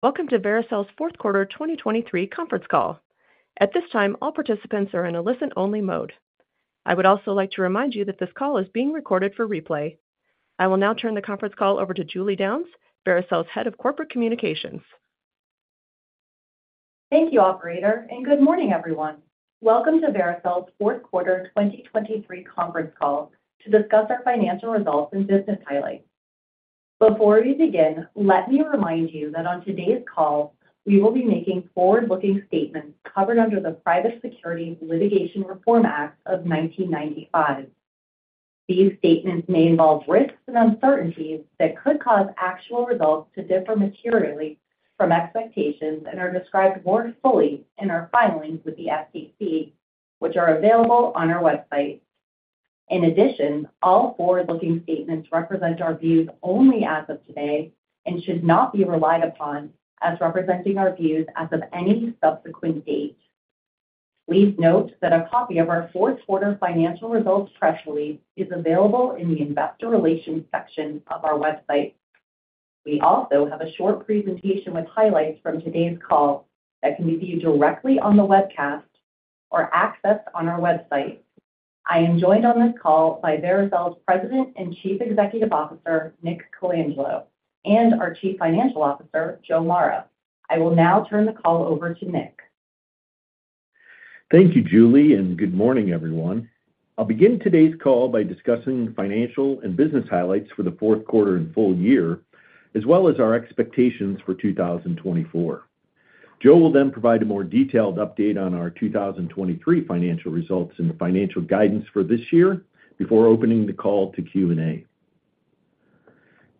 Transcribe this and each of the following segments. Welcome to Vericel's Fourth Quarter 2023 Conference Call. At this time, all participants are in a listen-only mode. I would also like to remind you that this call is being recorded for replay. I will now turn the conference call over to Julie Downs, Vericel's Head of Corporate Communications. Thank you, operator, and good morning, everyone. Welcome to Vericel's Fourth Quarter 2023 Conference Call to discuss our financial results and business highlights. Before we begin, let me remind you that on today's call, we will be making forward-looking statements covered under the Private Securities Litigation Reform Act of 1995. These statements may involve risks and uncertainties that could cause actual results to differ materially from expectations and are described more fully in our filings with the SEC, which are available on our website. In addition, all forward-looking statements represent our views only as of today and should not be relied upon as representing our views as of any subsequent date. Please note that a copy of our fourth-quarter financial results press release is available in the investor relations section of our website. We also have a short presentation with highlights from today's call that can be viewed directly on the webcast or accessed on our website. I am joined on this call by Vericel's President and Chief Executive Officer, Nick Colangelo, and our Chief Financial Officer, Joe Mara. I will now turn the call over to Nick. Thank you, Julie, and good morning, everyone. I'll begin today's call by discussing financial and business highlights for the fourth quarter and full year, as well as our expectations for 2024. Joe will then provide a more detailed update on our 2023 financial results and financial guidance for this year before opening the call to Q&A.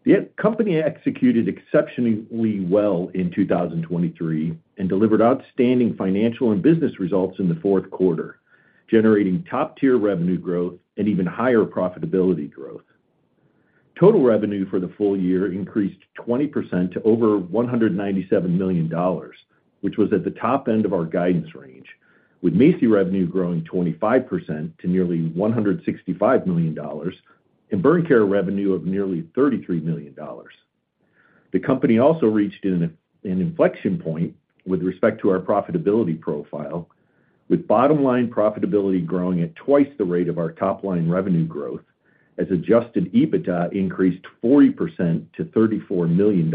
The company executed exceptionally well in 2023 and delivered outstanding financial and business results in the fourth quarter, generating top-tier revenue growth and even higher profitability growth. Total revenue for the full year increased 20% to over $197 million, which was at the top end of our guidance range, with MACI revenue growing 25% to nearly $165 million and burn care revenue of nearly $33 million. The company also reached an inflection point with respect to our profitability profile, with bottom-line profitability growing at twice the rate of our top-line revenue growth as Adjusted EBITDA increased 40% to $34 million,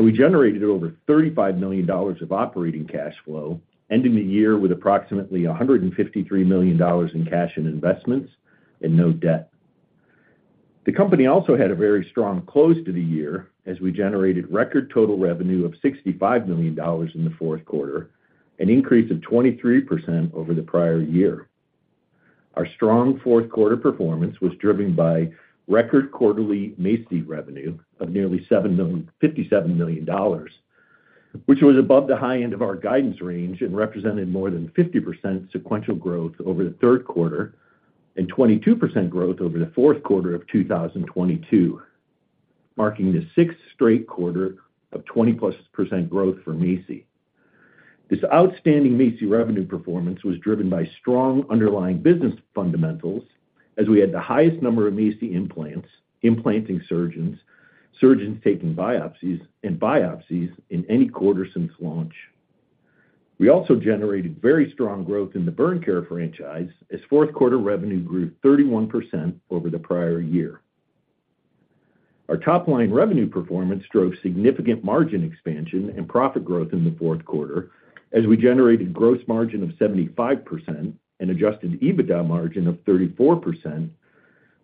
and we generated over $35 million of operating cash flow, ending the year with approximately $153 million in cash and investments and no debt. The company also had a very strong close to the year as we generated record total revenue of $65 million in the fourth quarter, an increase of 23% over the prior year. Our strong fourth-quarter performance was driven by record quarterly MACI revenue of nearly $57 million, which was above the high end of our guidance range and represented more than 50% sequential growth over the third quarter and 22% growth over the fourth quarter of 2022, marking the sixth straight quarter of 20%+ growth for MACI. This outstanding MACI revenue performance was driven by strong underlying business fundamentals as we had the highest number of MACI implants, implanting surgeons, surgeons taking biopsies, and biopsies in any quarter since launch. We also generated very strong growth in the burn care franchise as fourth quarter revenue grew 31% over the prior year. Our top-line revenue performance drove significant margin expansion and profit growth in the fourth quarter as we generated gross margin of 75% and Adjusted EBITDA margin of 34%,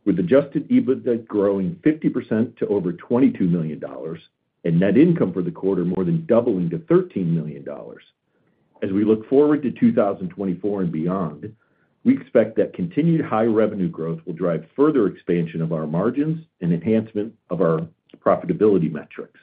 with Adjusted EBITDA growing 50% to over $22 million and net income for the quarter more than doubling to $13 million. As we look forward to 2024 and beyond, we expect that continued high revenue growth will drive further expansion of our margins and enhancement of our profitability metrics.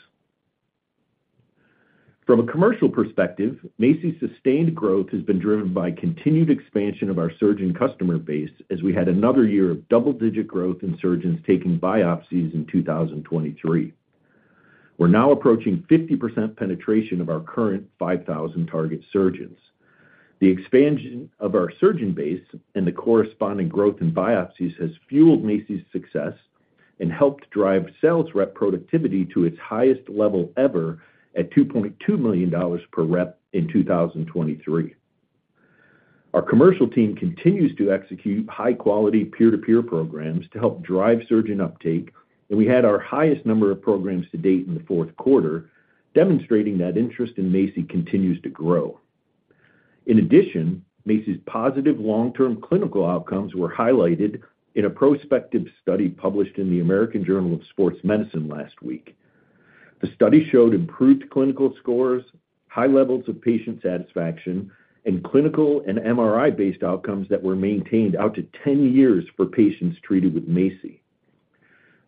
From a commercial perspective, MACI's sustained growth has been driven by continued expansion of our surgeon customer base as we had another year of double-digit growth in surgeons taking biopsies in 2023. We're now approaching 50% penetration of our current 5,000-target surgeons. The expansion of our surgeon base and the corresponding growth in biopsies has fueled MACI's success and helped drive sales rep productivity to its highest level ever at $2.2 million per rep in 2023. Our commercial team continues to execute high-quality peer-to-peer programs to help drive surgeon uptake, and we had our highest number of programs to date in the fourth quarter, demonstrating that interest in MACI continues to grow. In addition, MACI's positive long-term clinical outcomes were highlighted in a prospective study published in the American Journal of Sports Medicine last week. The study showed improved clinical scores, high levels of patient satisfaction, and clinical and MRI-based outcomes that were maintained out to 10 years for patients treated with MACI.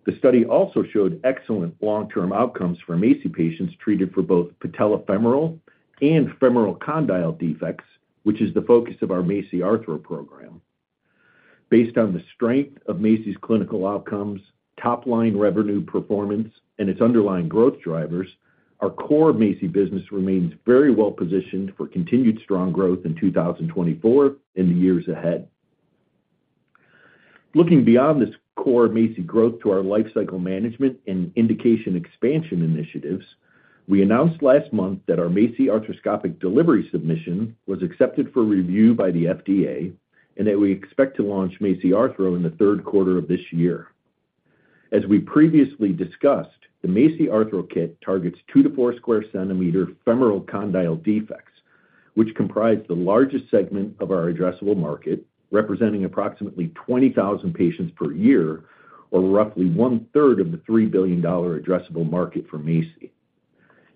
The study also showed excellent long-term outcomes for MACI patients treated for both patellofemoral and femoral condyle defects, which is the focus of our MACI Arthro program. Based on the strength of MACI's clinical outcomes, top-line revenue performance, and its underlying growth drivers, our core MACI business remains very well positioned for continued strong growth in 2024 and the years ahead. Looking beyond this core MACI growth to our lifecycle management and indication expansion initiatives, we announced last month that our MACI arthroscopic delivery submission was accepted for review by the FDA and that we expect to launch MACI Arthro in the third quarter of this year. As we previously discussed, the MACI Arthro kit targets two-four square centimeter femoral condyle defects, which comprise the largest segment of our addressable market, representing approximately 20,000 patients per year, or roughly one-third of the $3 billion addressable market for MACI.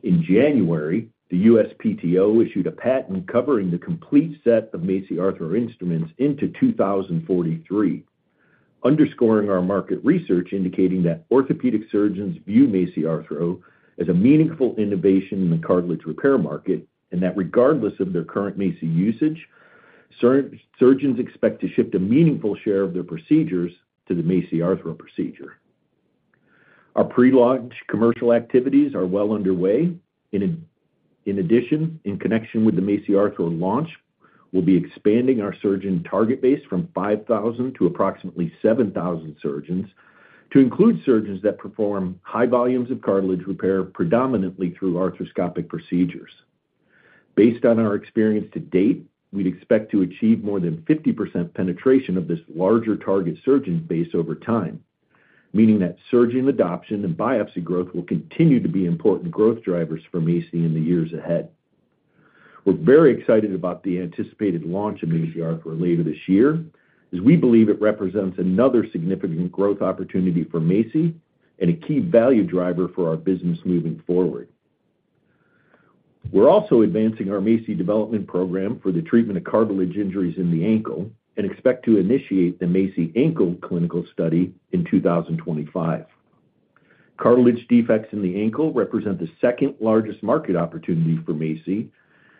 In January, the USPTO issued a patent covering the complete set of MACI Arthro instruments into 2043, underscoring our market research indicating that orthopedic surgeons view MACI Arthro as a meaningful innovation in the cartilage repair market and that regardless of their current MACI usage, surgeons expect to shift a meaningful share of their procedures to the MACI Arthro procedure. Our prelaunch commercial activities are well underway. In addition, in connection with the MACI Arthro launch, we'll be expanding our surgeon target base from 5,000 to approximately 7,000 surgeons to include surgeons that perform high volumes of cartilage repair predominantly through arthroscopic procedures. Based on our experience to date, we'd expect to achieve more than 50% penetration of this larger target surgeon base over time, meaning that surgeon adoption and biopsy growth will continue to be important growth drivers for MACI in the years ahead. We're very excited about the anticipated launch of MACI Arthro later this year as we believe it represents another significant growth opportunity for MACI and a key value driver for our business moving forward. We're also advancing our MACI development program for the treatment of cartilage injuries in the ankle and expect to initiate the MACI ankle clinical study in 2025. Cartilage defects in the ankle represent the second largest market opportunity for MACI, and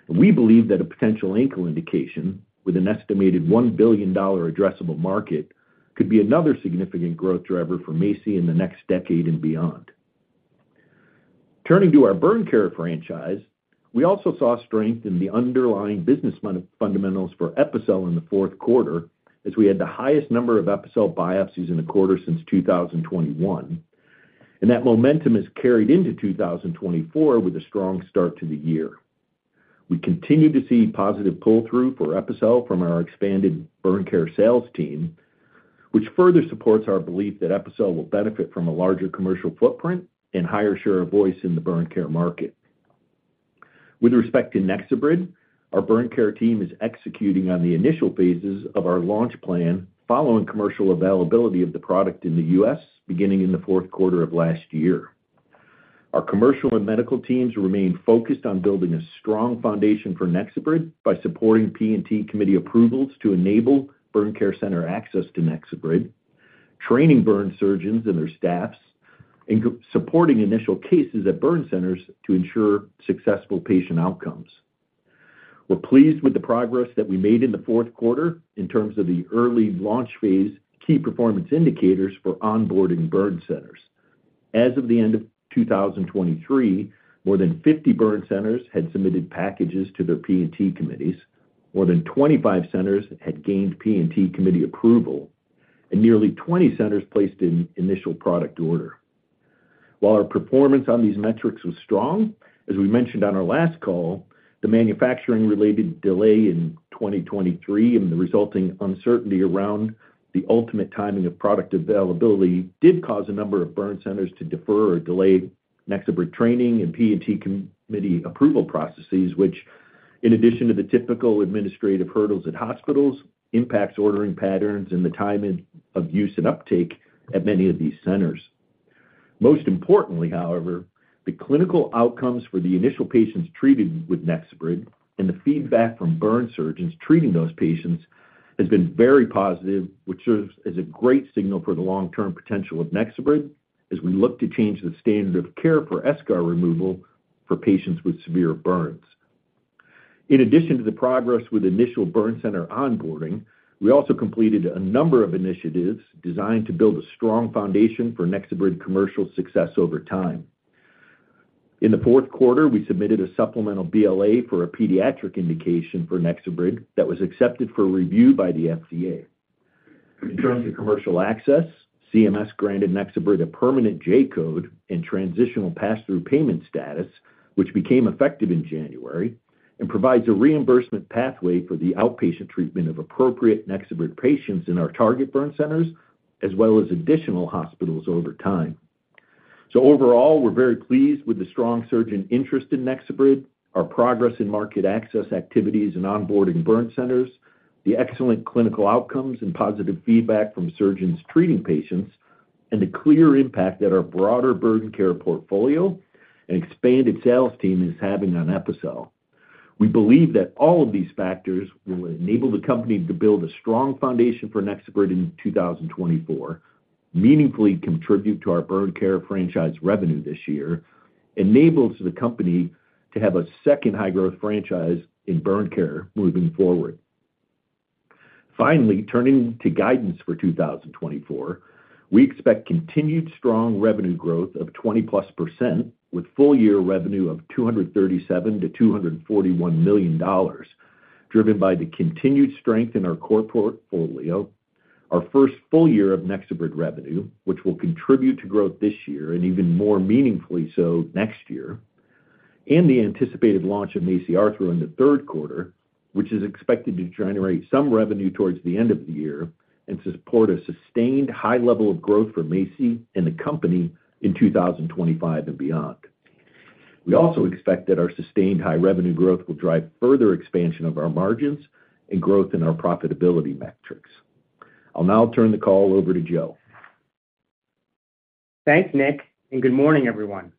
we believe that a potential ankle indication with an estimated $1 billion addressable market could be another significant growth driver for MACI in the next decade and beyond. Turning to our burn care franchise, we also saw strength in the underlying business fundamentals for Epicel in the fourth quarter as we had the highest number of Epicel biopsies in a quarter since 2021, and that momentum is carried into 2024 with a strong start to the year. We continue to see positive pull-through for Epicel from our expanded burn care sales team, which further supports our belief that Epicel will benefit from a larger commercial footprint and higher share of voice in the burn care market. With respect to NexoBrid, our burn care team is executing on the initial phases of our launch plan following commercial availability of the product in the US beginning in the fourth quarter of last year. Our commercial and medical teams remain focused on building a strong foundation for NexoBrid by supporting P&T committee approvals to enable burn care center access to NexoBrid, training burn surgeons and their staffs, and supporting initial cases at burn centers to ensure successful patient outcomes. We're pleased with the progress that we made in the fourth quarter in terms of the early launch phase key performance indicators for onboarding burn centers. As of the end of 2023, more than 50 burn centers had submitted packages to their P&T committees, more than 25 centers had gained P&T committee approval, and nearly 20 centers placed an initial product order. While our performance on these metrics was strong, as we mentioned on our last call, the manufacturing-related delay in 2023 and the resulting uncertainty around the ultimate timing of product availability did cause a number of burn centers to defer or delay NexoBrid training and P&T committee approval processes, which, in addition to the typical administrative hurdles at hospitals, impacts ordering patterns and the timing of use and uptake at many of these centers. Most importantly, however, the clinical outcomes for the initial patients treated with NexoBrid and the feedback from burn surgeons treating those patients has been very positive, which serves as a great signal for the long-term potential of NexoBrid as we look to change the standard of care for eschar removal for patients with severe burns. In addition to the progress with initial burn center onboarding, we also completed a number of initiatives designed to build a strong foundation for NexoBrid commercial success over time. In the fourth quarter, we submitted a supplemental BLA for a pediatric indication for NexoBrid that was accepted for review by the FDA. In terms of commercial access, CMS granted NexoBrid a permanent J code and transitional pass-through payment status, which became effective in January, and provides a reimbursement pathway for the outpatient treatment of appropriate NexoBrid patients in our target burn centers as well as additional hospitals over time. So overall, we're very pleased with the strong surgeon interest in NexoBrid, our progress in market access activities and onboarding burn centers, the excellent clinical outcomes and positive feedback from surgeons treating patients, and the clear impact that our broader burn care portfolio and expanded sales team is having on Epicel. We believe that all of these factors will enable the company to build a strong foundation for NexoBrid in 2024, meaningfully contribute to our burn care franchise revenue this year, enable the company to have a second high-growth franchise in burn care moving forward. Finally, turning to guidance for 2024 we expect continued strong revenue growth of 20%+ with full-year revenue of $237 million to $241 million, driven by the continued strength in our corporate portfolio, our first full year of NexoBrid revenue, which will contribute to growth this year and even more meaningfully so next year, and the anticipated launch of MACI Arthro in the third quarter, which is expected to generate some revenue towards the end of the year and support a sustained high level of growth for MACI and the company in 2025 and beyond. We also expect that our sustained high revenue growth will drive further expansion of our margins and growth in our profitability metrics. I'll now turn the call over to Joe. Thanks, Nick. Good morning, everyone.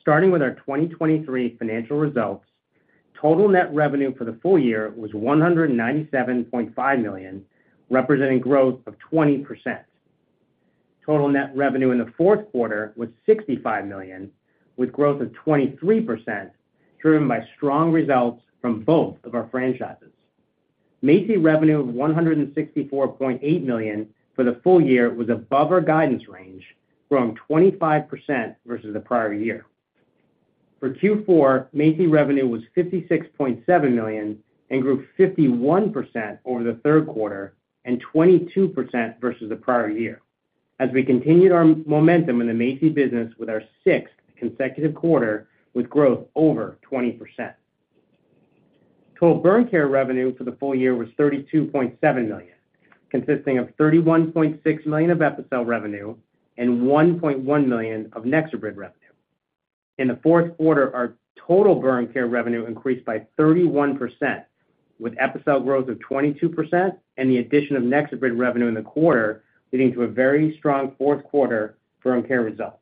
Starting with our 2023 financial results, total net revenue for the full year was $197.5 million, representing growth of 20%. Total net revenue in the fourth quarter was $65 million, with growth of 23% driven by strong results from both of our franchises. MACI revenue of $164.8 million for the full year was above our guidance range, growing 25% versus the prior year. For Q4, MACI revenue was $56.7 million and grew 51% over the third quarter and 22% versus the prior year as we continued our momentum in the MACI business with our sixth consecutive quarter with growth over 20%. Total burn care revenue for the full year was $32.7 million, consisting of $31.6 million of Epicel revenue and $1.1 million of NexoBrid revenue. In the fourth quarter, our total burn care revenue increased by 31% with Epicel growth of 22% and the addition of NexoBrid revenue in the quarter leading to a very strong fourth quarter burn care result.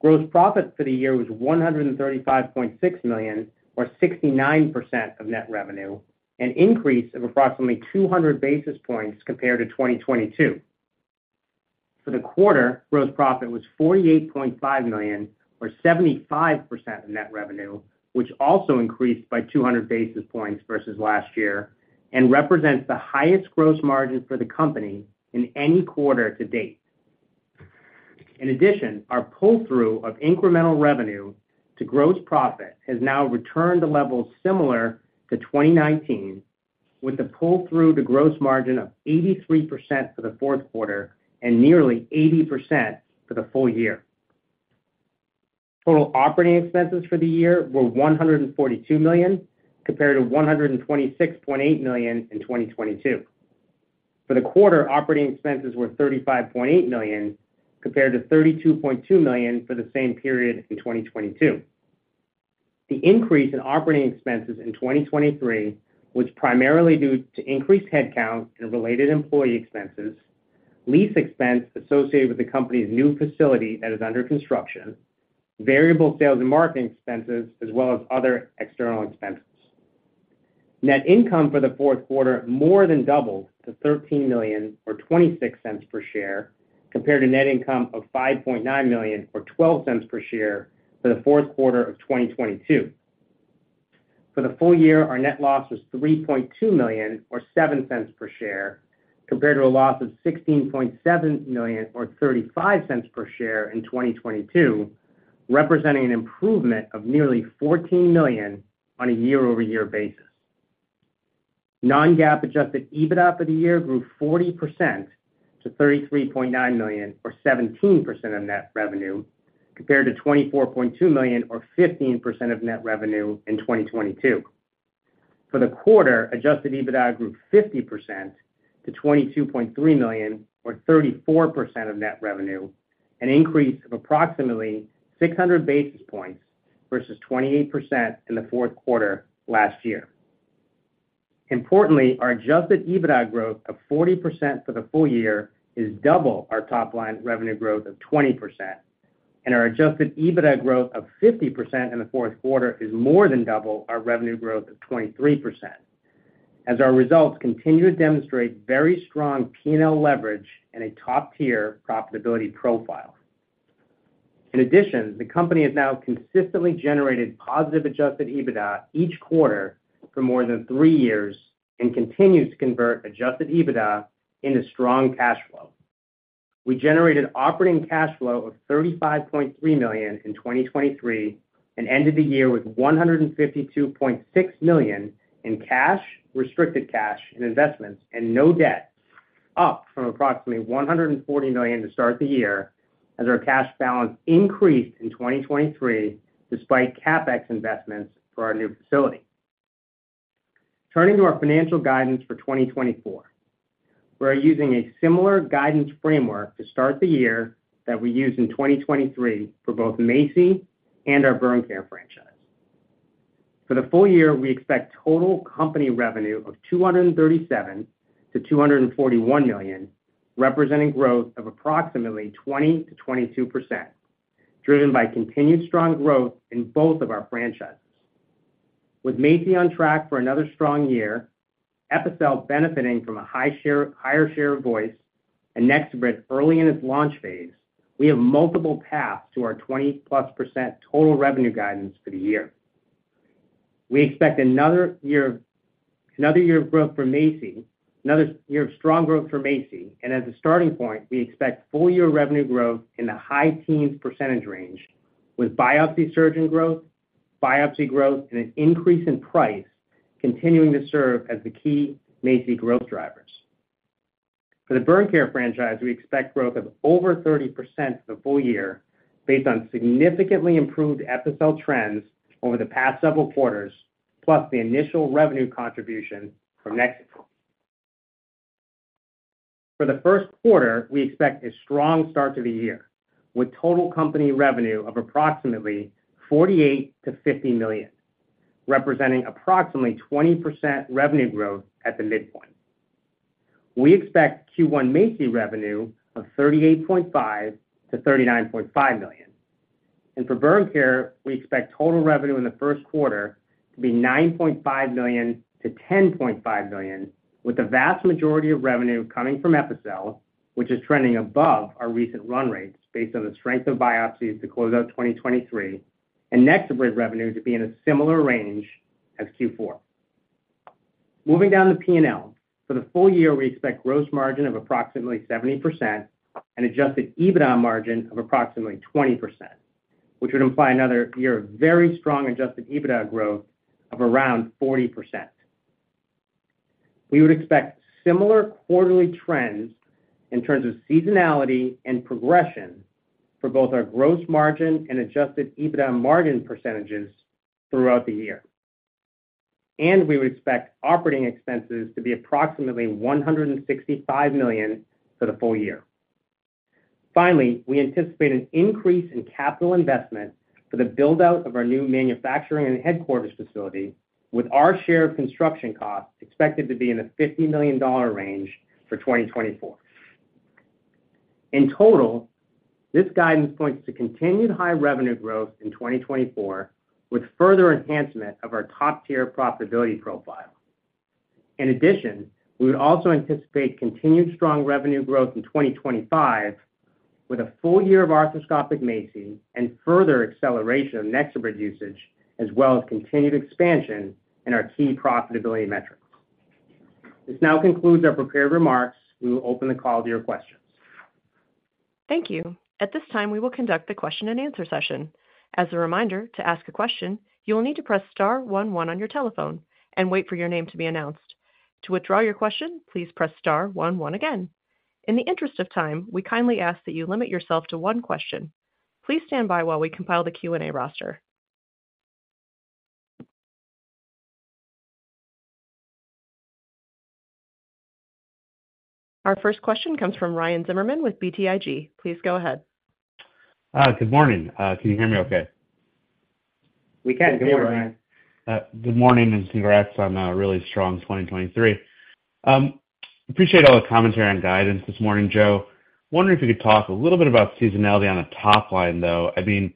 Gross profit for the year was $135.6 million, or 69% of net revenue, an increase of approximately 200 basis points compared to 2022. For the quarter, gross profit was $48.5 million, or 75% of net revenue, which also increased by 200 basis points versus last year and represents the highest gross margin for the company in any quarter to date. In addition, our pull-through of incremental revenue to gross profit has now returned to levels similar to 2019, with the pull-through to gross margin of 83% for the fourth quarter and nearly 80% for the full year. Total operating expenses for the year were $142 million compared to $126.8 million in 2022. For the quarter, operating expenses were $35.8 million compared to $32.2 million for the same period in 2022. The increase in operating expenses in 2023 was primarily due to increased headcount and related employee expenses, lease expense associated with the company's new facility that is under construction, variable sales and marketing expenses, as well as other external expenses. Net income for the fourth quarter more than doubled to $13 million or $0.26 per share compared to net income of $5.9 million or $0.12 per share for the fourth quarter of 2022. For the full year, our net loss was $3.2 million or $0.07 per share compared to a loss of $16.7 million or $0.35 per share in 2022, representing an improvement of nearly $14 million on a year-over-year basis. Non-GAAP adjusted EBITDA for the year grew 40% to $33.9 million or 17% of net revenue compared to $24.2 million or 15% of net revenue in 2022. For the quarter, adjusted EBITDA grew 50% to $22.3 million or 34% of net revenue, an increase of approximately 600 basis points versus 28% in the fourth quarter last year. Importantly, our adjusted EBITDA growth of 40% for the full year is double our top-line revenue growth of 20%, and our adjusted EBITDA growth of 50% in the fourth quarter is more than double our revenue growth of 23% as our results continue to demonstrate very strong P&L leverage and a top-tier profitability profile. In addition, the company has now consistently generated positive adjusted EBITDA each quarter for more than three years and continues to convert adjusted EBITDA into strong cash flow. We generated operating cash flow of $35.3 million in 2023 and ended the year with $152.6 million in cash, restricted cash, and investments, and no debt, up from approximately $140 million to start the year as our cash balance increased in 2023 despite CapEx investments for our new facility. Turning to our financial guidance for 2024, we're using a similar guidance framework to start the year that we used in 2023 for both MACI and our burn care franchise. For the full year, we expect total company revenue of $237 to $241 million, representing growth of approximately 20%-22%, driven by continued strong growth in both of our franchises. With MACI on track for another strong year, Epicel benefiting from a higher share of voice, and NexoBrid early in its launch phase, we have multiple paths to our 20%+ total revenue guidance for the year. We expect another year of growth for MACI, another year of strong growth for MACI, and as a starting point, we expect full-year revenue growth in the high teens % range with biopsy surgeon growth, biopsy growth, and an increase in price continuing to serve as the key MACI growth drivers. For the burn care franchise, we expect growth of over 30% for the full year based on significantly improved Epicel trends over the past several quarters, plus the initial revenue contribution from NexoBrid. For the first quarter, we expect a strong start to the year with total company revenue of approximately $48 to 50 million, representing approximately 20% revenue growth at the midpoint. We expect Q1 MACI revenue of $38.5 to 39.5 million. For burn care, we expect total revenue in the first quarter to be $9.5 million to $10.5 million, with the vast majority of revenue coming from Epicel, which is trending above our recent run rates based on the strength of biopsies to close out 2023, and NexoBrid revenue to be in a similar range as Q4. Moving down the P&L, for the full year, we expect gross margin of approximately 70% and Adjusted EBITDA margin of approximately 20%, which would imply another year of very strong Adjusted EBITDA growth of around 40%. We would expect similar quarterly trends in terms of seasonality and progression for both our gross margin and Adjusted EBITDA margin percentages throughout the year. We would expect operating expenses to be approximately $165 million for the full year. Finally, we anticipate an increase in capital investment for the buildout of our new manufacturing and headquarters facility, with our share of construction costs expected to be in the $50 million range for 2024. In total, this guidance points to continued high revenue growth in 2024 with further enhancement of our top-tier profitability profile. In addition, we would also anticipate continued strong revenue growth in 2025 with a full year of arthroscopic MACI and further acceleration of NexoBrid usage, as well as continued expansion in our key profitability metrics. This now concludes our prepared remarks. We will open the call to your questions. Thank you. At this time, we will conduct the question-and-answer session. As a reminder, to ask a question, you will need to press star 11 on your telephone and wait for your name to be announced. To withdraw your question, please press star one one again. In the interest of time, we kindly ask that you limit yourself to one question. Please stand by while we compile the Q&A roster. Our first question comes from Ryan Zimmerman with BTIG. Please go ahead. Good morning. Can you hear me okay? We can. Good morning, Ryan. Good morning and congrats on a really strong 2023. Appreciate all the commentary on guidance this morning, Joe. Wondering if you could talk a little bit about seasonality on the top line, though. I mean,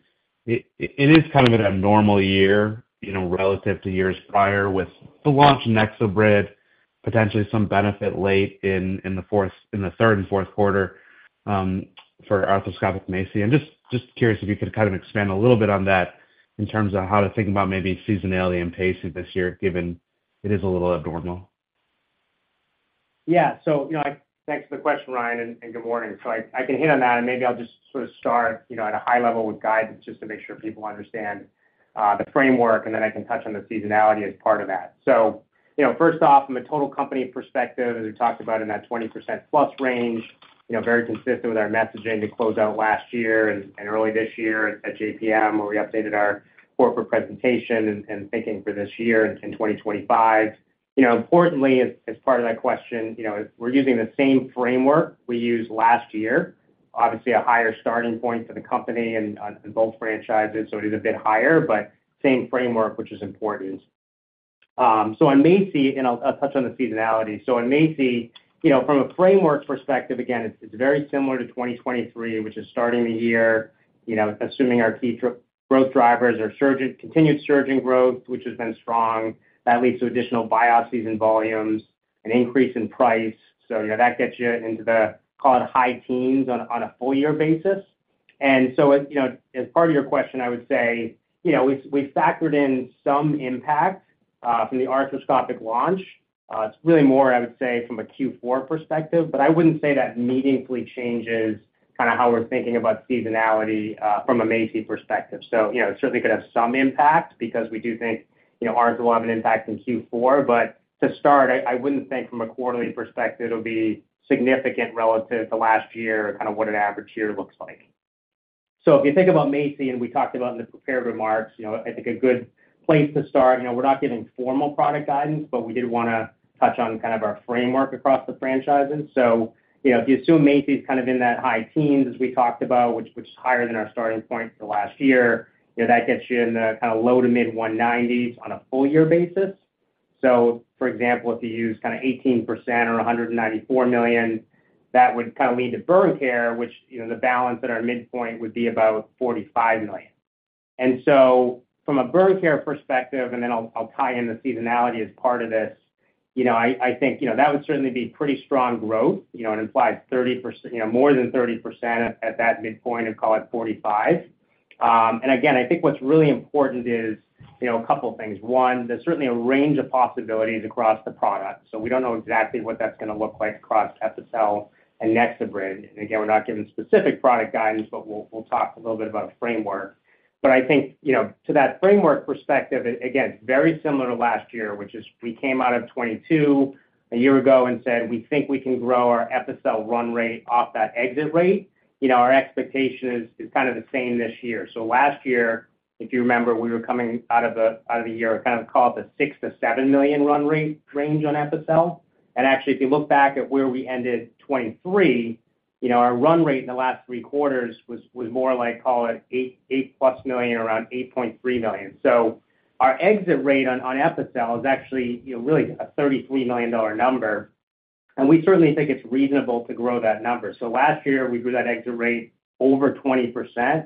it is kind of an abnormal year relative to years prior with the launch of NexoBrid, potentially some benefit late in the third and fourth quarter for arthroscopic MACI. I'm just curious if you could kind of expand a little bit on that in terms of how to think about maybe seasonality and pacing this year, given it is a little abnormal. Yeah. So thanks for the question, Ryan, and good morning. So I can hit on that, and maybe I'll just sort of start at a high level with guidance just to make sure people understand the framework, and then I can touch on the seasonality as part of that. So first off, from a total company perspective, as we talked about in that 20%-plus range, very consistent with our messaging to close out last year and early this year at JPM, where we updated our corporate presentation and thinking for this year and 2025. Importantly, as part of that question, we're using the same framework we used last year. Obviously, a higher starting point for the company and both franchises, so it is a bit higher, but same framework, which is important. So on MACI, and I'll touch on the seasonality. So on MACI, from a framework perspective, again, it's very similar to 2023, which is starting the year, assuming our key growth drivers are continued surgeon growth, which has been strong. That leads to additional biopsies and volumes, an increase in price. So that gets you into the, call it, high teens on a full-year basis. And so as part of your question, I would say we factored in some impact from the arthroscopic launch. It's really more, I would say, from a Q4 perspective, but I wouldn't say that meaningfully changes kind of how we're thinking about seasonality from a MACI perspective. So it certainly could have some impact because we do think ours will have an impact in Q4. But to start, I wouldn't think from a quarterly perspective, it'll be significant relative to last year or kind of what an average year looks like. So if you think about MACI, and we talked about in the prepared remarks, I think a good place to start, we're not giving formal product guidance, but we did want to touch on kind of our framework across the franchises. So if you assume MACI's kind of in that high teens, as we talked about, which is higher than our starting point for last year, that gets you in the kind of low to mid to 190s on a full-year basis. So for example, if you use kind of 18% or $194 million, that would kind of lead to burn care, which the balance at our midpoint would be about $45 million. And so from a burn care perspective, and then I'll tie in the seasonality as part of this, I think that would certainly be pretty strong growth. It implies more than 30% at that midpoint and call it $45 million. Again, I think what's really important is a couple of things. One, there's certainly a range of possibilities across the product. So we don't know exactly what that's going to look like across Epicel and NexoBrid. And again, we're not giving specific product guidance, but we'll talk a little bit about a framework. But I think to that framework perspective, again, it's very similar to last year, which is we came out of 2022 a year ago and said, "We think we can grow our Epicel run rate off that exit rate." Our expectation is kind of the same this year. So last year, if you remember, we were coming out of the year kind of call it the $6 million to $7 million run rate range on Epicel. Actually, if you look back at where we ended 2023, our run rate in the last three quarters was more like, call it, $8+ million, around $8.3 million. So our exit rate on Epicel is actually really a $33 million number. And we certainly think it's reasonable to grow that number. So last year, we grew that exit rate over 20%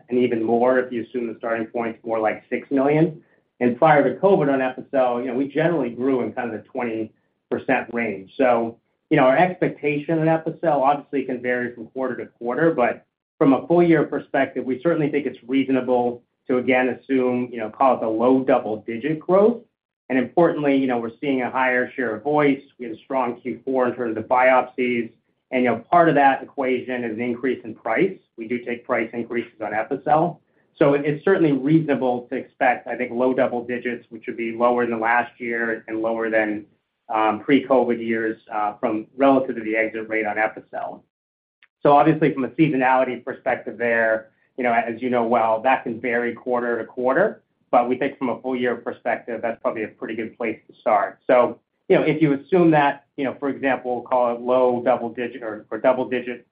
and even more if you assume the starting point's more like $6 million. And prior to COVID on Epicel, we generally grew in kind of the 20% range. So our expectation on Epicel obviously can vary from quarter to quarter, but from a full-year perspective, we certainly think it's reasonable to, again, assume, call it the low double-digit growth. And importantly, we're seeing a higher share of voice. We have a strong Q4 in terms of biopsies. And part of that equation is an increase in price. We do take price increases on Epicel. So it's certainly reasonable to expect, I think, low double digits, which would be lower than last year and lower than pre-COVID years relative to the exit rate on Epicel. So obviously, from a seasonality perspective there, as you know well, that can vary quarter to quarter. But we think from a full-year perspective, that's probably a pretty good place to start. So if you assume that, for example, call it low double-digit or double-digit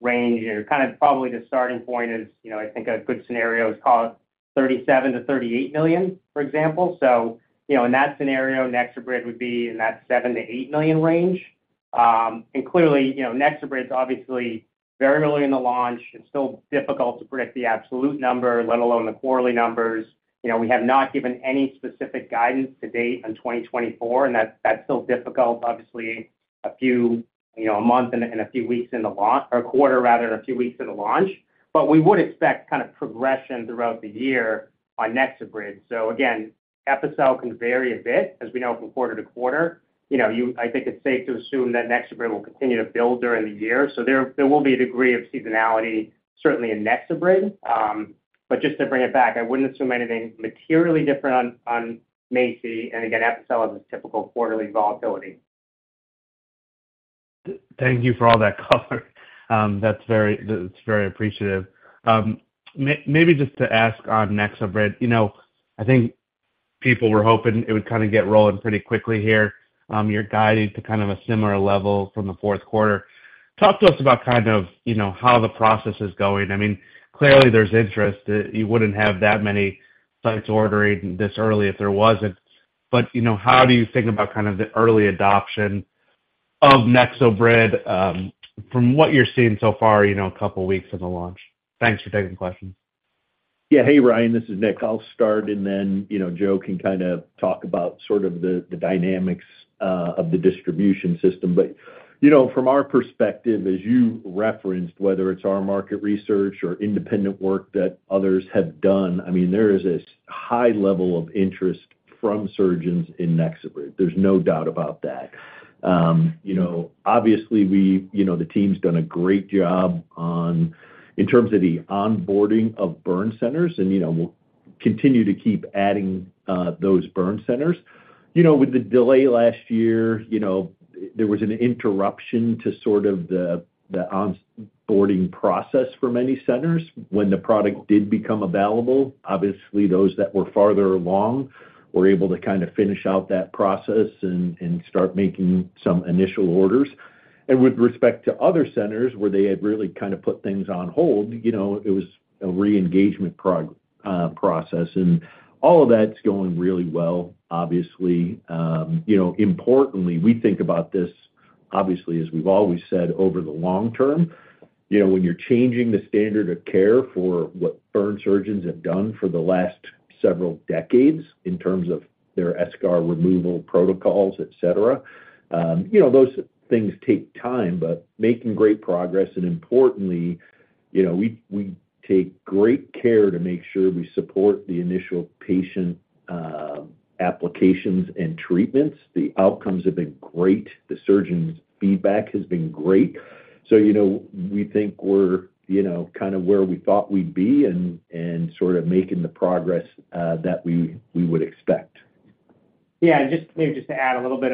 range, kind of probably the starting point is, I think, a good scenario is call it $37 million to $38 million, for example. So in that scenario, NexoBrid would be in that $7 million to $8 million range. And clearly, NexoBrid's obviously very early in the launch. It's still difficult to predict the absolute number, let alone the quarterly numbers. We have not given any specific guidance to date on 2024, and that's still difficult, obviously, a month and a few weeks in the launch or a quarter, rather, a few weeks in the launch. But we would expect kind of progression throughout the year on NexoBrid. So again, Epicel can vary a bit, as we know, from quarter to quarter. I think it's safe to assume that NexoBrid will continue to build during the year. So there will be a degree of seasonality, certainly in NexoBrid. But just to bring it back, I wouldn't assume anything materially different on MACI. And again, Epicel has its typical quarterly volatility. Thank you for all that cover. That's very appreciative. Maybe just to ask on NexoBrid, I think people were hoping it would kind of get rolling pretty quickly here. You're guiding to kind of a similar level from the fourth quarter. Talk to us about kind of how the process is going. I mean, clearly, there's interest. You wouldn't have that many sites ordering this early if there wasn't. But how do you think about kind of the early adoption of NexoBrid from what you're seeing so far, a couple of weeks in the launch? Thanks for taking questions. Yeah. Hey, Ryan. This is Nick. I'll start, and then Joe can kind of talk about sort of the dynamics of the distribution system. But from our perspective, as you referenced, whether it's our market research or independent work that others have done, I mean, there is a high level of interest from surgeons in NexoBrid. There's no doubt about that. Obviously, the team's done a great job in terms of the onboarding of burn centers, and we'll continue to keep adding those burn centers. With the delay last year, there was an interruption to sort of the onboarding process for many centers. When the product did become available, obviously, those that were farther along were able to kind of finish out that process and start making some initial orders. And with respect to other centers where they had really kind of put things on hold, it was a re-engagement process. And all of that's going really well, obviously. Importantly, we think about this, obviously, as we've always said, over the long term. When you're changing the standard of care for what burn surgeons have done for the last several decades in terms of their eschar removal protocols, etc., those things take time. But making great progress, and importantly, we take great care to make sure we support the initial patient applications and treatments. The outcomes have been great. The surgeon's feedback has been great. So we think we're kind of where we thought we'd be and sort of making the progress that we would expect. Yeah. And just maybe just to add a little bit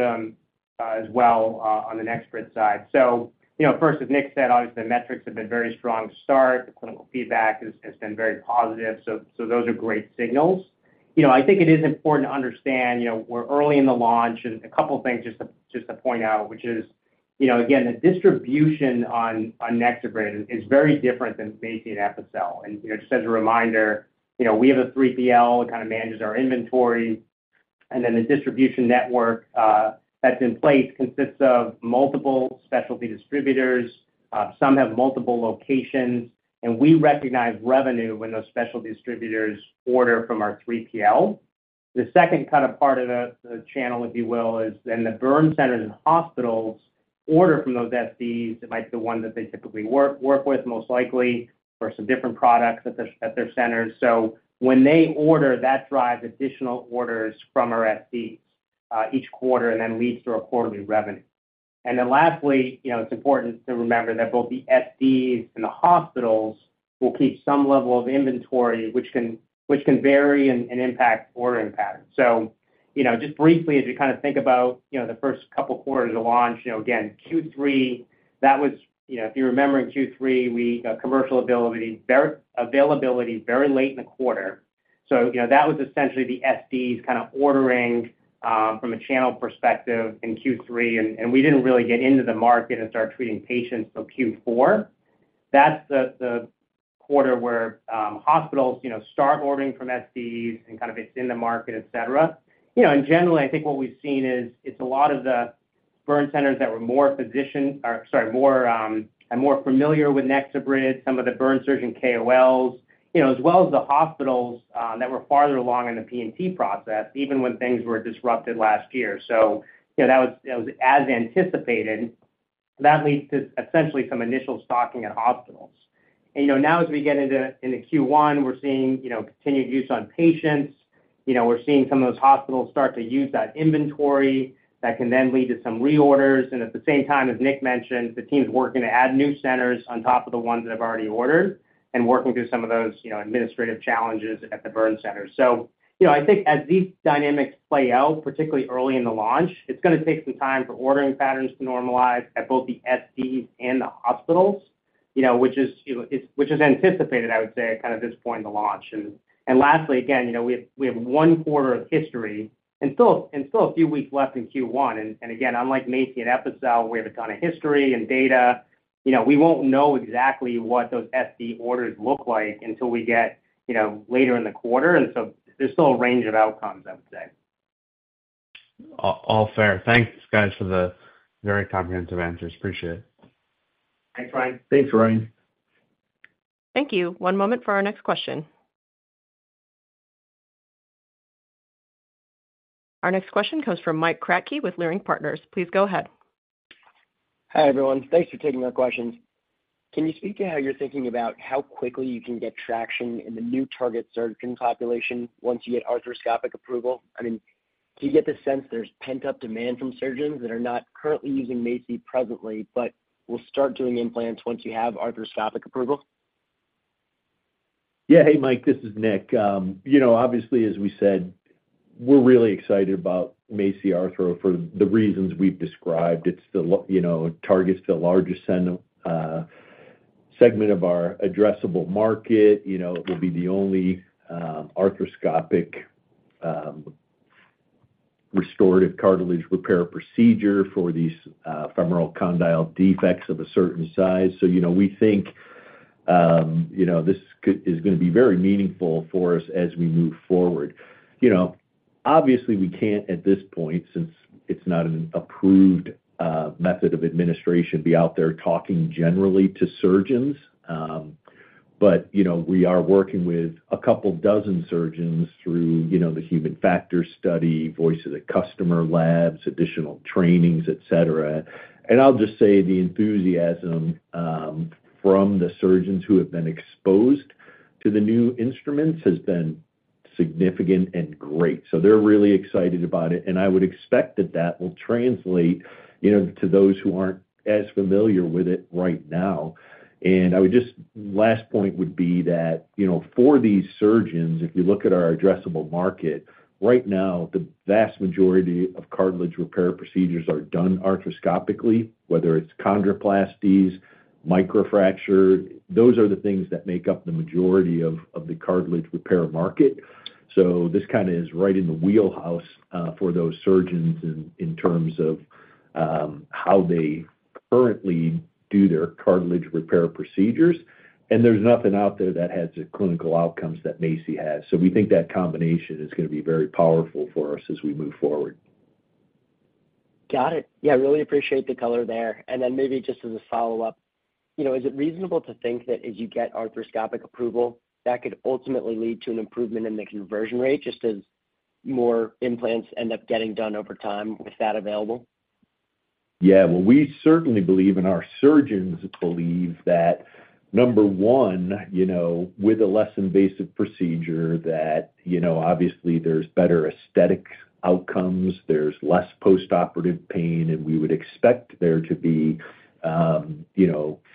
as well on the NexoBrid side. So first, as Nick said, obviously, the metrics have been very strong to start. The clinical feedback has been very positive. So those are great signals. I think it is important to understand we're early in the launch. A couple of things just to point out, which is, again, the distribution on NexoBrid is very different than MACI and Epicel. Just as a reminder, we have a 3PL that kind of manages our inventory. Then the distribution network that's in place consists of multiple specialty distributors. Some have multiple locations. We recognize revenue when those specialty distributors order from our 3PL. The second kind of part of the channel, if you will, is then the burn centers and hospitals order from those SDs. It might be the one that they typically work with, most likely, or some different products at their centers. So when they order, that drives additional orders from our SDs each quarter and then leads to our quarterly revenue. And then lastly, it's important to remember that both the SDs and the hospitals will keep some level of inventory, which can vary and impact ordering patterns. So just briefly, as you kind of think about the first couple of quarters of launch, again, Q3, that was if you're remembering Q3, commercial availability very late in the quarter. So that was essentially the SDs kind of ordering from a channel perspective in Q3. And we didn't really get into the market and start treating patients till Q4. That's the quarter where hospitals start ordering from SDs, and kind of it's in the market, etc. Generally, I think what we've seen is it's a lot of the burn centers that were more physicians or sorry, more familiar with NexoBrid, some of the burn surgeon KOLs, as well as the hospitals that were farther along in the P&T process, even when things were disrupted last year. So that was as anticipated. That leads to essentially some initial stocking at hospitals. And now, as we get into Q1, we're seeing continued use on patients. We're seeing some of those hospitals start to use that inventory that can then lead to some reorders. And at the same time, as Nick mentioned, the team's working to add new centers on top of the ones that have already ordered and working through some of those administrative challenges at the burn centers. So I think as these dynamics play out, particularly early in the launch, it's going to take some time for ordering patterns to normalize at both the SDs and the hospitals, which is anticipated, I would say, at kind of this point in the launch. Lastly, again, we have one quarter of history and still a few weeks left in Q1. Again, unlike MACI and Epicel, we have a ton of history and data. We won't know exactly what those SD orders look like until we get later in the quarter. So there's still a range of outcomes, I would say. All fair. Thanks, guys, for the very comprehensive answers. Appreciate it. Thanks, Ryan. Thanks, Ryan. Thank you. One moment for our next question. Our next question comes from Mike Kratky with Leerink Partners. Please go ahead. Hi, everyone. Thanks for taking our questions. Can you speak to how you're thinking about how quickly you can get traction in the new target surgeon population once you get arthroscopic approval? I mean, do you get the sense there's pent-up demand from surgeons that are not currently using MACI presently but will start doing implants once you have arthroscopic approval? Yeah. Hey, Mike. This is Nick. Obviously, as we said, we're really excited about MACI Arthro for the reasons we've described. It targets the largest segment of our addressable market. It will be the only arthroscopic restorative cartilage repair procedure for these femoral condyle defects of a certain size. So we think this is going to be very meaningful for us as we move forward. Obviously, we can't, at this point, since it's not an approved method of administration, be out there talking generally to surgeons. But we are working with a couple dozen surgeons through the human factor study, Voice of the Customer Labs, additional trainings, etc. And I'll just say the enthusiasm from the surgeons who have been exposed to the new instruments has been significant and great. So they're really excited about it. I would expect that that will translate to those who aren't as familiar with it right now. Last point would be that for these surgeons, if you look at our addressable market, right now, the vast majority of cartilage repair procedures are done arthroscopically, whether it's chondroplasties, microfracture. Those are the things that make up the majority of the cartilage repair market. So this kind of is right in the wheelhouse for those surgeons in terms of how they currently do their cartilage repair procedures. There's nothing out there that has the clinical outcomes that MACI has. So we think that combination is going to be very powerful for us as we move forward. Got it. Yeah. Really appreciate the color there. And then maybe just as a follow-up, is it reasonable to think that as you get arthroscopic approval, that could ultimately lead to an improvement in the conversion rate just as more implants end up getting done over time with that available? Yeah. Well, we certainly believe and our surgeons believe that, number one, with a less invasive procedure, that obviously, there's better aesthetic outcomes. There's less postoperative pain. And we would expect there to be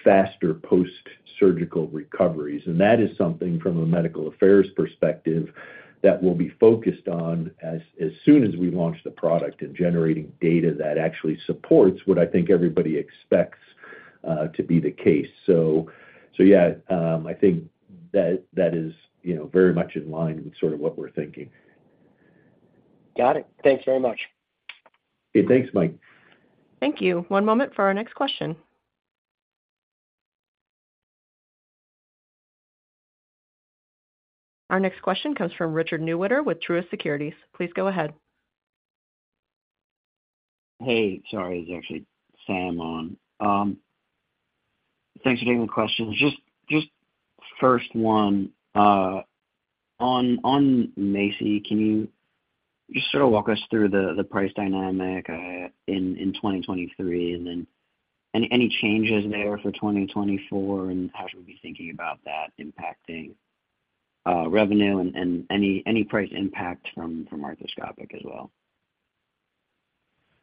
faster post-surgical recoveries. And that is something, from a medical affairs perspective, that we'll be focused on as soon as we launch the product and generating data that actually supports what I think everybody expects to be the case. So yeah, I think that is very much in line with sort of what we're thinking. Got it. Thanks very much. Hey, thanks, Mike. Thank you. One moment for our next question. Our next question comes from Richard Newitter with Truist Securities. Please go ahead. Hey. Sorry. It's actually Sam on. Thanks for taking the questions. Just first one, on MACI, can you just sort of walk us through the price dynamic in 2023 and then any changes there for 2024 and how should we be thinking about that impacting revenue and any price impact from arthroscopic as well?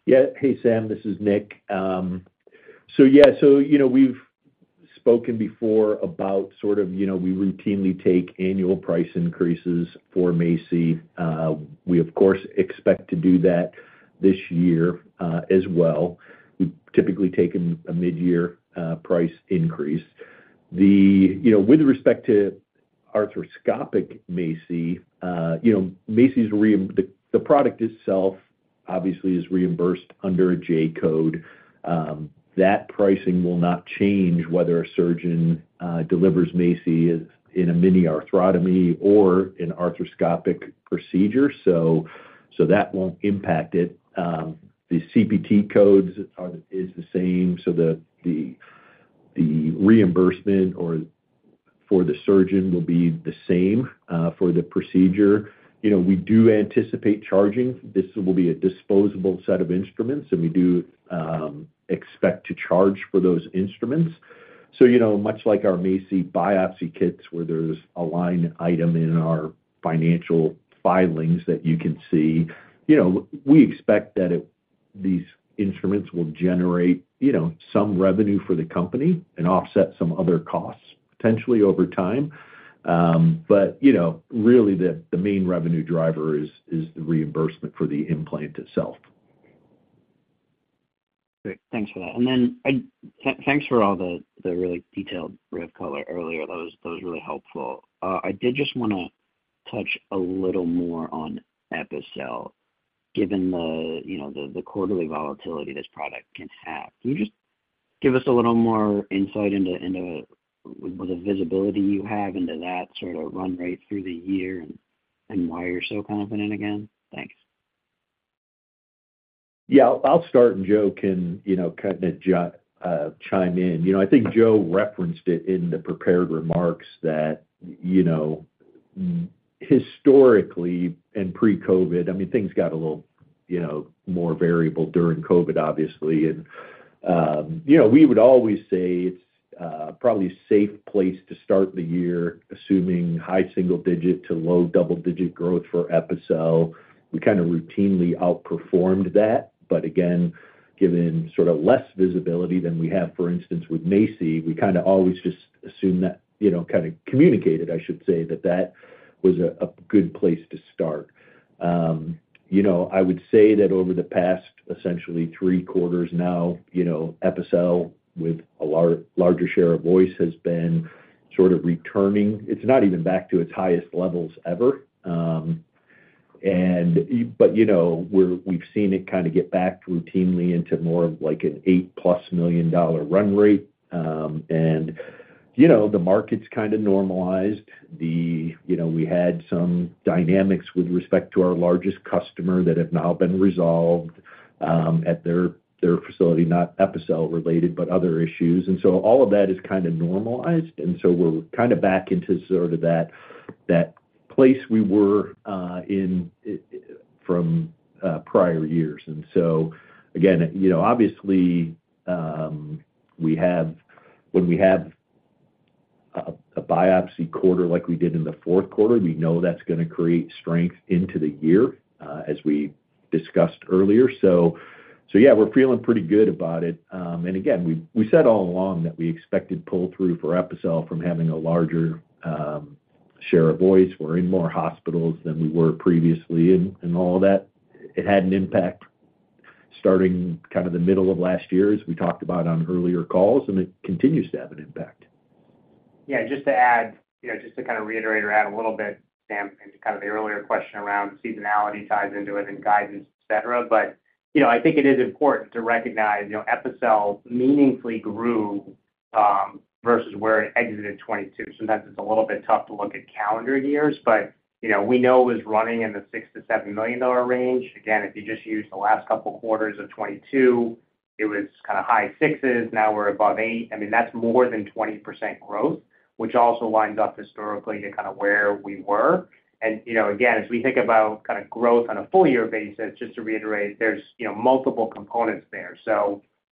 Yeah. Hey, Sam. This is Nick. So yeah. So we've spoken before about sort of we routinely take annual price increases for MACI. We, of course, expect to do that this year as well. We've typically taken a midyear price increase. With respect to arthroscopic MACI, MACI's the product itself, obviously, is reimbursed under a J code. That pricing will not change whether a surgeon delivers MACI in a mini-arthrotomy or an arthroscopic procedure. So that won't impact it. The CPT codes are the same. So the reimbursement for the surgeon will be the same for the procedure. We do anticipate charging. This will be a disposable set of instruments, and we do expect to charge for those instruments. So much like our MACI biopsy kits where there's a line item in our financial filings that you can see, we expect that these instruments will generate some revenue for the company and offset some other costs, potentially, over time. But really, the main revenue driver is the reimbursement for the implant itself. Great. Thanks for that. Thanks for all the really detailed rev color earlier. That was really helpful. I did just want to touch a little more on Epicel. Given the quarterly volatility this product can have, can you just give us a little more insight into what the visibility you have into that sort of run rate through the year and why you're so confident again? Thanks. Yeah. I'll start, and Joe can kind of chime in. I think Joe referenced it in the prepared remarks that historically and pre-COVID I mean, things got a little more variable during COVID, obviously. And we would always say it's probably a safe place to start the year, assuming high single-digit to low double-digit growth for Epicel. We kind of routinely outperformed that. But again, given sort of less visibility than we have, for instance, with MACI, we kind of always just assume that kind of communicated, I should say, that that was a good place to start. I would say that over the past, essentially, three quarters now, Epicel, with a larger share of voice, has been sort of returning. It's not even back to its highest levels ever. But we've seen it kind of get back routinely into more of an $8+ million run rate. The market's kind of normalized. We had some dynamics with respect to our largest customer that have now been resolved at their facility, not Epicel-related but other issues. All of that is kind of normalized. We're kind of back into sort of that place we were in from prior years. Again, obviously, when we have a biopsy quarter like we did in the fourth quarter, we know that's going to create strength into the year, as we discussed earlier. Yeah, we're feeling pretty good about it. Again, we said all along that we expected pull-through for Epicel from having a larger share of Voice. We're in more hospitals than we were previously. All of that, it had an impact starting kind of the middle of last year, as we talked about on earlier calls. It continues to have an impact. Yeah. And just to add just to kind of reiterate or add a little bit, Sam, into kind of the earlier question around seasonality ties into it and guidance, etc. But I think it is important to recognize Epicel meaningfully grew versus where it exited 2022. Sometimes it's a little bit tough to look at calendar years. But we know it was running in the $6 million to $7 million range. Again, if you just use the last couple quarters of 2022, it was kind of high sixes. Now we're above eight. I mean, that's more than 20% growth, which also lines up historically to kind of where we were. And again, as we think about kind of growth on a full-year basis, just to reiterate, there's multiple components there.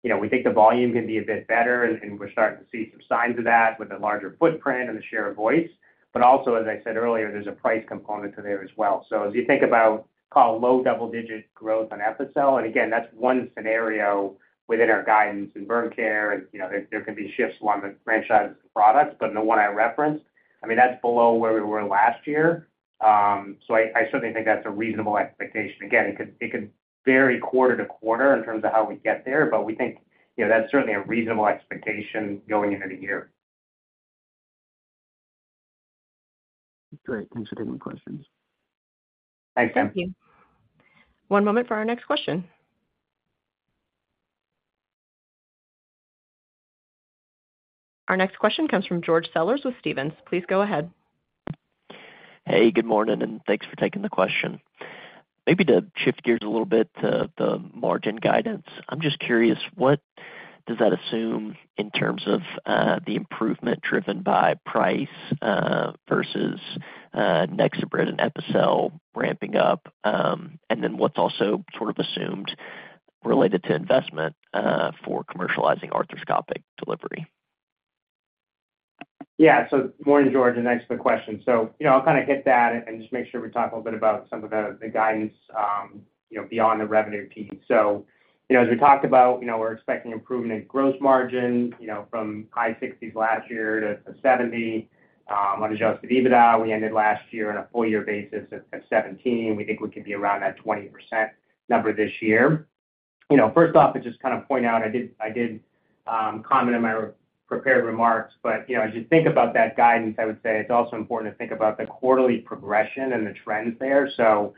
So we think the volume can be a bit better, and we're starting to see some signs of that with a larger footprint and the share of voice. But also, as I said earlier, there's a price component to that as well. So as you think about, call it, low double-digit growth on Epicel, and again, that's one scenario within our guidance in burn care. And there can be shifts along the franchise products, but the one I referenced, I mean, that's below where we were last year. So I certainly think that's a reasonable expectation. Again, it could vary quarter to quarter in terms of how we get there. But we think that's certainly a reasonable expectation going into the year. Great. Thanks for taking the questions. Thanks, Sam. Thank you. One moment for our next question. Our next question comes from George Sellers with Stephens. Please go ahead. Hey. Good morning. Thanks for taking the question. Maybe to shift gears a little bit to the margin guidance, I'm just curious, what does that assume in terms of the improvement driven by price versus NexoBrid and Epicel ramping up? And then what's also sort of assumed related to investment for commercializing arthroscopic delivery? Yeah. So morning, George. And thanks for the question. So I'll kind of hit that and just make sure we talk a little bit about some of the guidance beyond the revenue piece. So as we talked about, we're expecting improvement in gross margin from high 60s% last year to 70%. On Adjusted EBITDA, we ended last year on a full-year basis at 17%. We think we could be around that 20% number this year. First off, to just kind of point out, I did comment in my prepared remarks. But as you think about that guidance, I would say it's also important to think about the quarterly progression and the trends there. So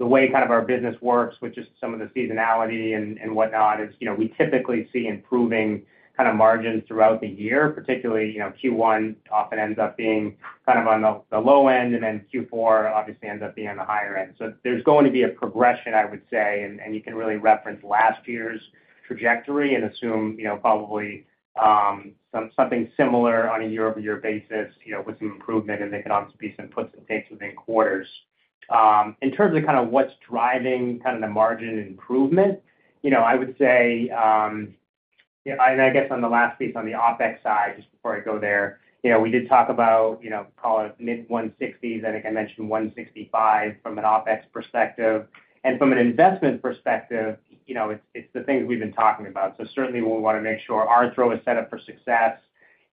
the way kind of our business works with just some of the seasonality and whatnot is we typically see improving kind of margins throughout the year. Particularly, Q1 often ends up being kind of on the low end, and then Q4, obviously, ends up being on the higher end. So there's going to be a progression, I would say. And you can really reference last year's trajectory and assume probably something similar on a year-over-year basis with some improvement. And there could obviously be some puts and takes within quarters. In terms of kind of what's driving kind of the margin improvement, I would say and I guess on the last piece, on the OpEx side, just before I go there, we did talk about, call it, mid to 160s. And I mentioned $165 from an OpEx perspective. And from an investment perspective, it's the things we've been talking about. So certainly, we want to make sure Arthro is set up for success.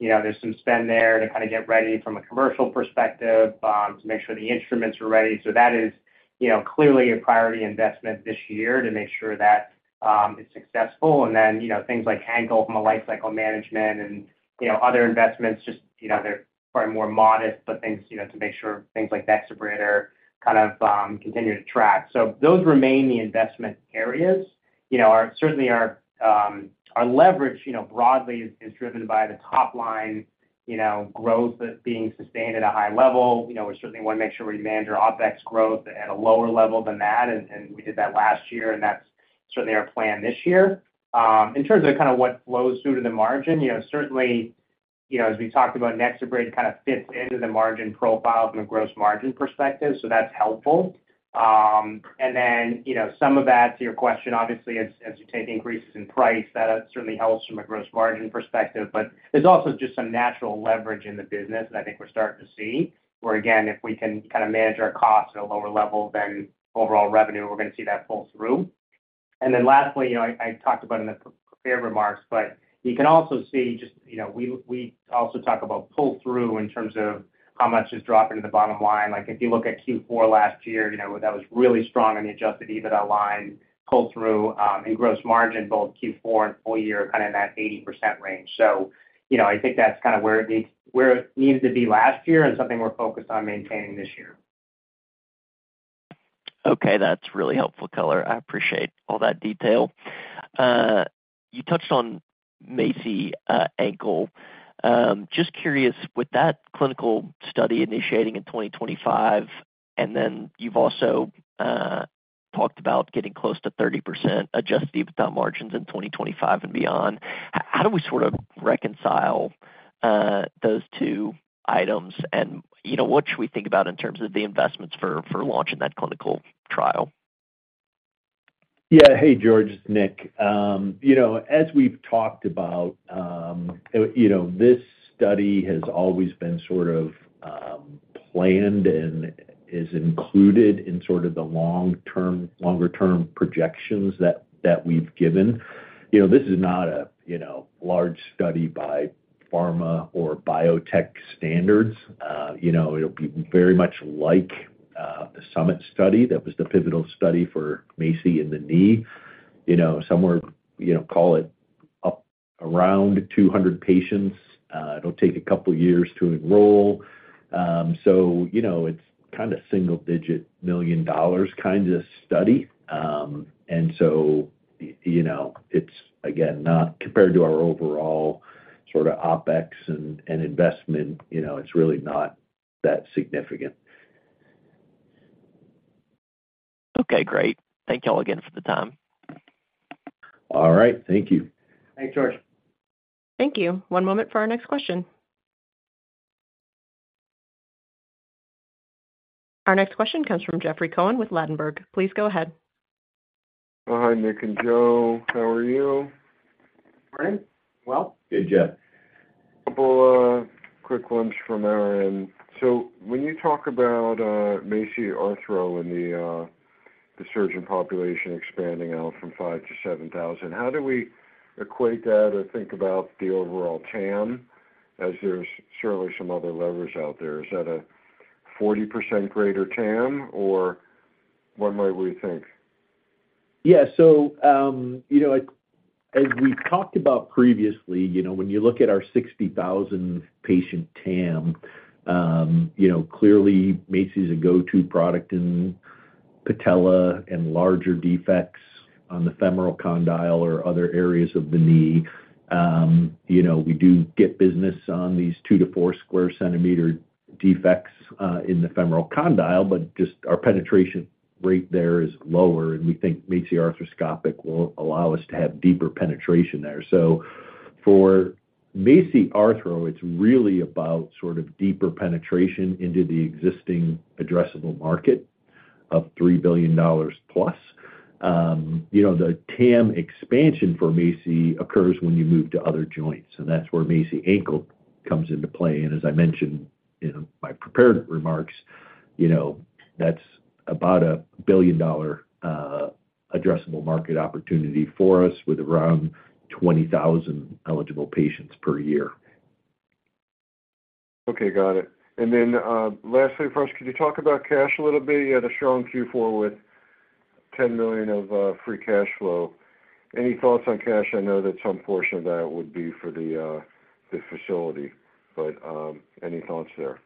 There's some spend there to kind of get ready from a commercial perspective to make sure the instruments are ready. That is clearly a priority investment this year to make sure that it's successful. Then things like ankle from a life cycle management and other investments, just they're probably more modest, but things to make sure things like NexoBrid are kind of continuing to track. Those remain the investment areas. Certainly, our leverage broadly is driven by the top-line growth being sustained at a high level. We certainly want to make sure we manage our OpEx growth at a lower level than that. We did that last year. That's certainly our plan this year. In terms of kind of what flows through to the margin, certainly, as we talked about, NexoBrid kind of fits into the margin profile from a gross margin perspective. So that's helpful. And then some of that, to your question, obviously, as you take increases in price, that certainly helps from a gross margin perspective. But there's also just some natural leverage in the business that I think we're starting to see where, again, if we can kind of manage our costs at a lower level than overall revenue, we're going to see that pull through. And then lastly, I talked about in the prepared remarks, but you can also see just we also talk about pull-through in terms of how much is dropping to the bottom line. If you look at Q4 last year, that was really strong on the Adjusted EBITDA line, pull-through, and gross margin, both Q4 and full year are kind of in that 80% range. So, I think that's kind of where it needed to be last year, and something we're focused on maintaining this year. Okay. That's really helpful color. I appreciate all that detail. You touched on MACI, Epicel. Just curious, with that clinical study initiating in 2025, and then you've also talked about getting close to 30% Adjusted EBITDA margins in 2025 and beyond, how do we sort of reconcile those two items? And what should we think about in terms of the investments for launching that clinical trial? Yeah. Hey, George. It's Nick. As we've talked about, this study has always been sort of planned and is included in sort of the longer-term projections that we've given. This is not a large study by pharma or biotech standards. It'll be very much like the SUMMIT study that was the pivotal study for MACI in the knee. Somewhere, call it, around 200 patients. It'll take a couple of years to enroll. So it's kind of single-digit $ million kind of study. And so it's, again, not compared to our overall sort of OpEx and investment, it's really not that significant. Okay. Great. Thank you all again for the time. All right. Thank you. Thanks, George. Thank you. One moment for our next question. Our next question comes from Jeffrey Cohen with Ladenburg. Please go ahead. Hi, Nick and Joe. How are you? Morning. Well. Good, Jeff. A couple of quick ones from our end. So when you talk about MACI Arthro and the surgeon population expanding out from 5,000-7,000, how do we equate that or think about the overall TAM? As there's certainly some other levers out there, is that a 40% greater TAM, or what might we think? Yeah. So as we've talked about previously, when you look at our 60,000-patient TAM, clearly, MACI's a go-to product in patella and larger defects on the femoral condyle or other areas of the knee. We do get business on these 2-4 square centimeter defects in the femoral condyle, but just our penetration rate there is lower. And we think MACI Arthroscopic will allow us to have deeper penetration there. So for MACI Arthro, it's really about sort of deeper penetration into the existing addressable market of $3 billion plus. The TAM expansion for MACI occurs when you move to other joints. And that's where MACI ankle comes into play. And as I mentioned in my prepared remarks, that's about a billion-dollar addressable market opportunity for us with around 20,000 eligible patients per year. Okay. Got it. And then lastly, first, could you talk about cash a little bit? You had a strong Q4 with $10 million of free cash flow. Any thoughts on cash? I know that some portion of that would be for the facility, but any thoughts there?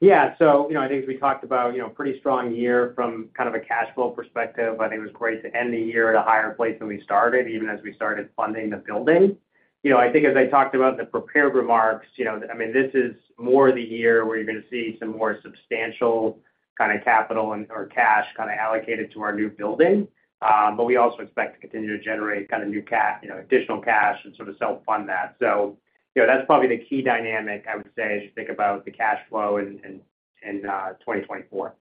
Yeah. So I think as we talked about, pretty strong year from kind of a cash flow perspective. I think it was great to end the year at a higher place than we started, even as we started funding the building. I think as I talked about in the prepared remarks, I mean, this is more the year where you're going to see some more substantial kind of capital or cash kind of allocated to our new building. But we also expect to continue to generate kind of additional cash and sort of self-fund that. So that's probably the key dynamic, I would say, as you think about the cash flow in 2024.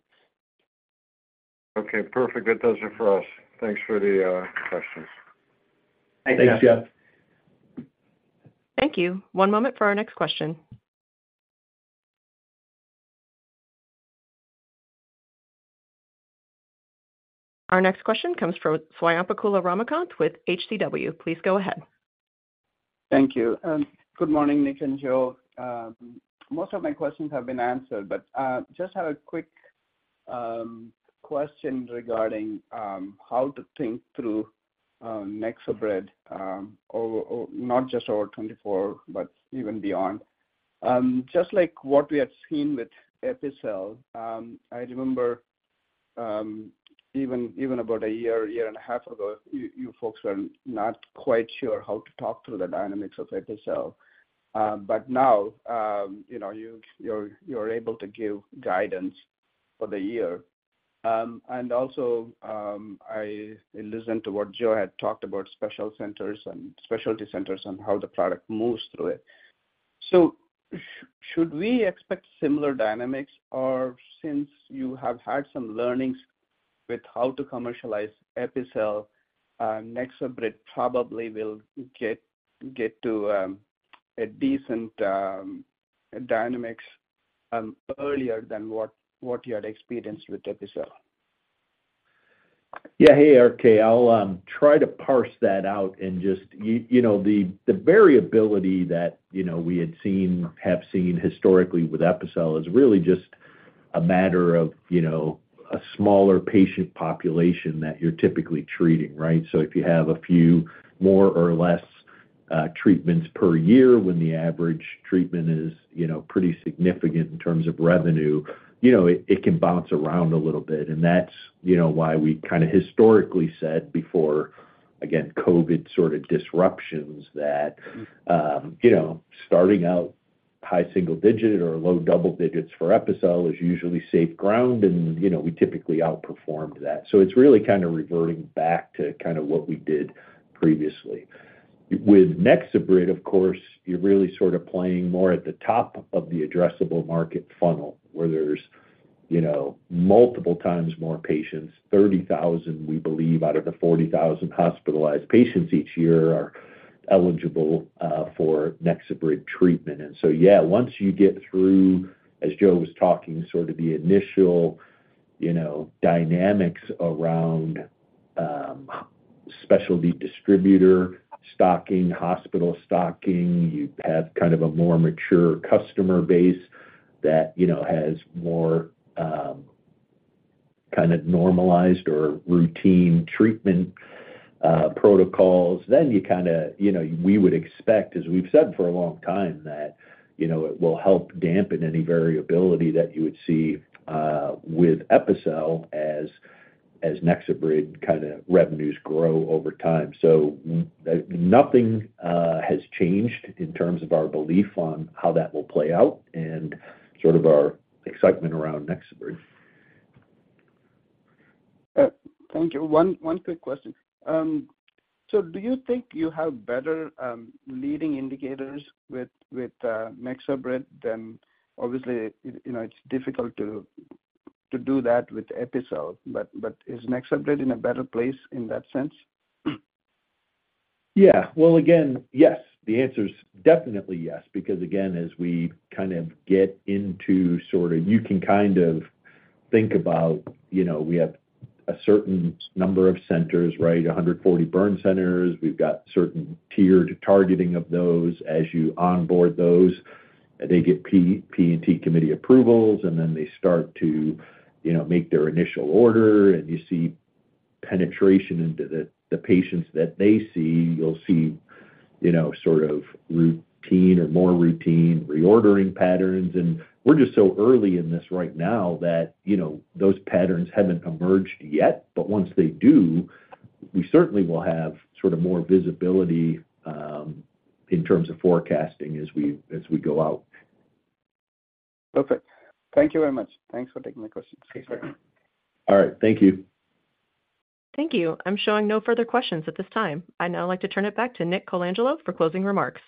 Okay. Perfect. That does it for us. Thanks for the questions. Thank you. Thanks, Jeff. Thank you. One moment for our next question. Our next question comes from Swayampakula Ramakanth with HCW. Please go ahead. Thank you. Good morning, Nick and Joe. Most of my questions have been answered, but just have a quick question regarding how to think through NexoBrid, not just over 2024, but even beyond. Just like what we had seen with Epicel, I remember even about a year, year and a half ago, you folks were not quite sure how to talk through the dynamics of Epicel. But now, you're able to give guidance for the year. And also, I listened to what Joe had talked about specialty centers and how the product moves through it. So should we expect similar dynamics? Or since you have had some learnings with how to commercialize Epicel, NexoBrid probably will get to a decent dynamics earlier than what you had experienced with Epicel? Yeah. Hey, RK. I'll try to parse that out. Just the variability that we have seen historically with Epicel is really just a matter of a smaller patient population that you're typically treating, right? So if you have a few more or less treatments per year, when the average treatment is pretty significant in terms of revenue, it can bounce around a little bit. And that's why we kind of historically said before, again, COVID sort of disruptions, that starting out high single digit or low double digits for Epicel is usually safe ground. And we typically outperformed that. So it's really kind of reverting back to kind of what we did previously. With NexoBrid, of course, you're really sort of playing more at the top of the addressable market funnel where there's multiple times more patients. 30,000, we believe, out of the 40,000 hospitalized patients each year are eligible for NexoBrid treatment. And so yeah, once you get through, as Joe was talking, sort of the initial dynamics around specialty distributor stocking, hospital stocking, you have kind of a more mature customer base that has more kind of normalized or routine treatment protocols, then you kind of we would expect, as we've said for a long time, that it will help dampen any variability that you would see with Epicel as NexoBrid kind of revenues grow over time. So nothing has changed in terms of our belief on how that will play out and sort of our excitement around NexoBrid. Thank you. One quick question. So do you think you have better leading indicators with NexoBrid than obviously, it's difficult to do that with Epicel, but is NexoBrid in a better place in that sense? Yeah. Well, again, yes. The answer is definitely yes because, again, as we kind of get into sort of you can kind of think about we have a certain number of centers, right? 140 burn centers. We've got certain tiered targeting of those. As you onboard those, they get P&T committee approvals, and then they start to make their initial order. And you see penetration into the patients that they see. You'll see sort of routine or more routine reordering patterns. And we're just so early in this right now that those patterns haven't emerged yet. But once they do, we certainly will have sort of more visibility in terms of forecasting as we go out. Perfect. Thank you very much. Thanks for taking my questions. Thanks. All right. Thank you. Thank you. I'm showing no further questions at this time. I now like to turn it back to Nick Colangelo for closing remarks.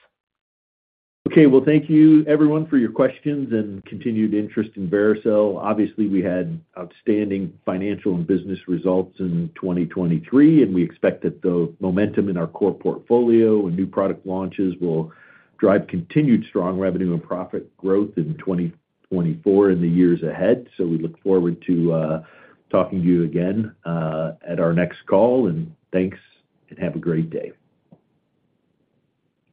Okay. Well, thank you, everyone, for your questions and continued interest in Vericel. Obviously, we had outstanding financial and business results in 2023, and we expect that the momentum in our core portfolio and new product launches will drive continued strong revenue and profit growth in 2024 and the years ahead. So we look forward to talking to you again at our next call. And thanks, and have a great day.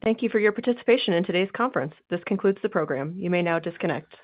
Thank you for your participation in today's conference. This concludes the program. You may now disconnect.